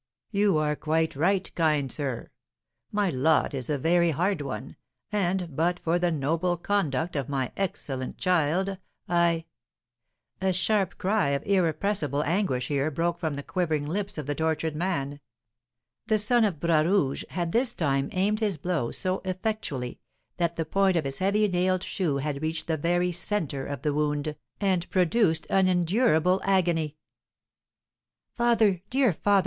"You are quite right, kind sir! My lot is a very hard one, and, but for the noble conduct of my excellent child, I " A sharp cry of irrepressible anguish here broke from the quivering lips of the tortured man; the son of Bras Rouge had this time aimed his blow so effectually, that the point of his heavy nailed shoe had reached the very centre of the wound, and produced unendurable agony. "Father! dear father!